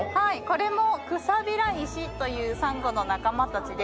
これもクサビライシというサンゴの仲間たちで。